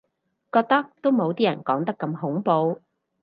覺得都冇啲人講得咁恐怖